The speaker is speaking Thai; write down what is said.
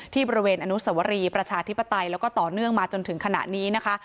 บริเวณอนุสวรีประชาธิปไตยแล้วก็ต่อเนื่องมาจนถึงขณะนี้นะคะ